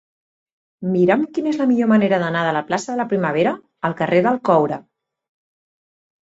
Mira'm quina és la millor manera d'anar de la plaça de la Primavera al carrer del Coure.